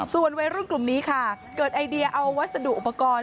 ส่วนวัยรุ่นกลุ่มนี้ค่ะเกิดไอเดียเอาวัสดุอุปกรณ์